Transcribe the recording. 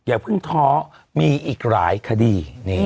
ไอ้ผึ้งท้อมีอีกหลายคดี